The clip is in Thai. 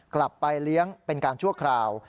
กลับไปเลี้ยงเป็นการชั่วคราว